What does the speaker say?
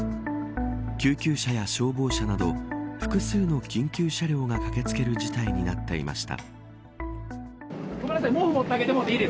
救急車や消防車など複数の緊急車両が駆け付ける事態になっていました。